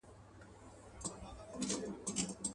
یو په یو یې ور حساب کړله ظلمونه.